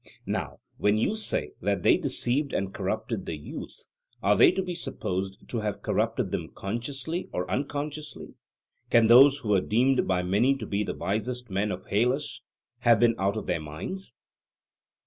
Now, when you say that they deceived and corrupted the youth, are they to be supposed to have corrupted them consciously or unconsciously? Can those who were deemed by many to be the wisest men of Hellas have been out of their minds?